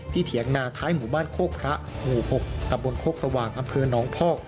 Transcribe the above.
เถียงนาท้ายหมู่บ้านโคกพระหมู่๖ตะบนโคกสว่างอำเภอหนองพอก